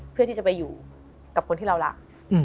เพื่อที่จะไปอยู่กับคนที่เรารัก